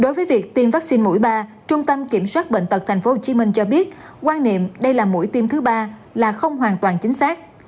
đối với việc tiêm vaccine mũi ba trung tâm kiểm soát bệnh tật tp hcm cho biết quan niệm đây là mũi tiêm thứ ba là không hoàn toàn chính xác